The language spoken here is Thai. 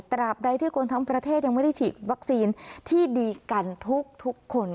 บใดที่คนทั้งประเทศยังไม่ได้ฉีดวัคซีนที่ดีกันทุกคน